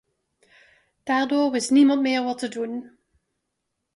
Daardoor wist niemand meer wat te doen.